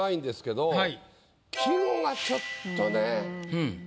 季語がちょっとね。